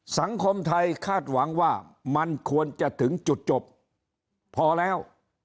สังคมไทยคาดหวังว่ามันควรจะถึงจุดจบพอแล้ว